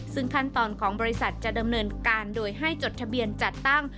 ซึ่งขั้นตอนของบริษัทจะดำเนินการโดยให้จดทะเบียนจัดตั้ง